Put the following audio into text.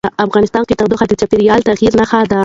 افغانستان کې تودوخه د چاپېریال د تغیر نښه ده.